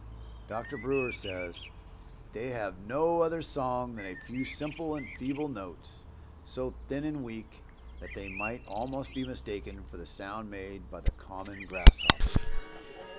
Dr. Brewer says, "They have no other song than a few simple and feeble notes, so thin and weak that they might almost be mistaken for the sound made by the common grasshopper."